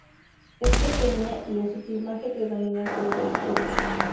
Es pequeña y en su plumaje predomina el color oscuro.